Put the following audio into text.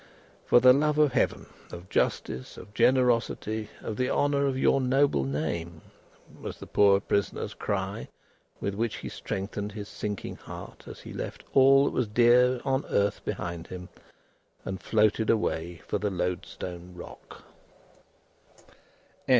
"For the love of Heaven, of justice, of generosity, of the honour of your noble name!" was the poor prisoner's cry with which he strengthened his sinking heart, as he left all that was dear on earth behind him, and floated away for the Loadstone Rock.